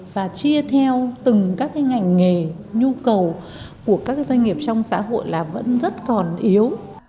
và chia theo từng các cái ngành nghề nhu cầu của các doanh nghiệp trong xã hội là vẫn rất còn yếu